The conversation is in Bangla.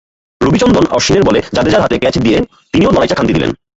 রবিচন্দ্রন অশ্বিনের বলে জাদেজার হাতে ক্যাচ দিয়ে তিনিও লড়াইটায় ক্ষান্তি দিলেন।